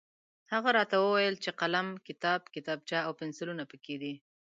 هغه راته وویل چې قلم، کتاب، کتابچه او پنسلونه پکې دي.